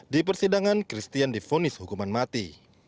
di persidangan christian difonis hukuman mati